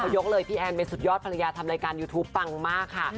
ยกเลยพี่แอนเป็นสุดยอดภรรยาทำรายการยูทูปปังมากค่ะ